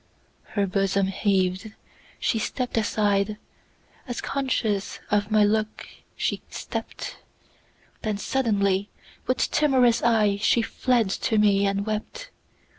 Her bosom heaved—she stepp'd aside, As conscious of my look she stept—Then suddenly, with timorous eyeShe fled to me and wept.